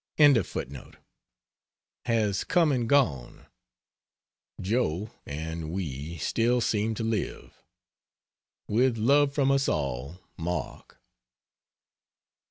] has come and gone, Joe and we still seem to live. With love from us all. MARK.